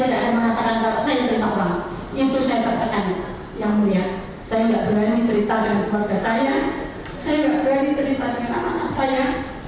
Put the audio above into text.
ada pemeriksaan oleh kpp saya langsung katakan bahwa saya akan menjalankan uang itu bukan penyediaan saya